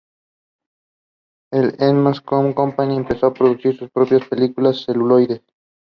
A few of the castle structures have survived in other locations.